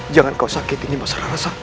jangan kau sakit ini masalah resah